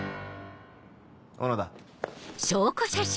小野田。